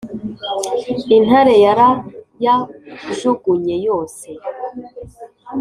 intare yarayajugunye yose